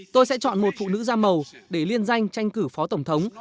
tôi sẽ chọn một phụ nữ da màu để liên danh tranh cử phó tổng thống